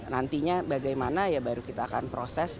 nantinya bagaimana ya baru kita akan proses